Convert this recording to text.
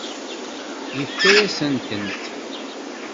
Yefka-yasent-tent?